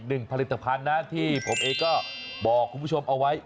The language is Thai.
หนึ่งผลิตภัณฑ์นะที่ผมเองก็บอกคุณผู้ชมเอาไว้